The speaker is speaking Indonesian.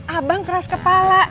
abang keras kepala